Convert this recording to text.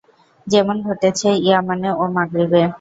যেমন ঘটেছে ইয়ামানে ও মাগরিবে।